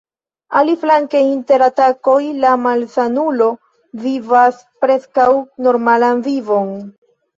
Aliflanke, inter la atakoj, la malsanulo vivas preskaŭ normalan vivon.